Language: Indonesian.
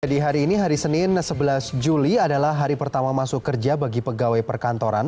jadi hari ini hari senin sebelas juli adalah hari pertama masuk kerja bagi pegawai perkantoran